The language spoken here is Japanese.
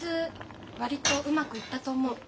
割とうまくいったと思う。